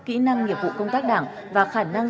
kỹ năng nghiệp vụ công tác đảng và khả năng